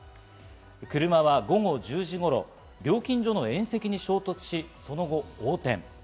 車は午後１０時頃、料金所の縁石に衝突し、その後、横転。